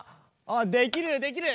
できるできる！